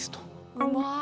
うまい！